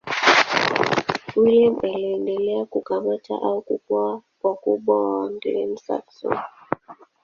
William aliendelea kukamata au kuua wakubwa wa Waanglia-Saksoni.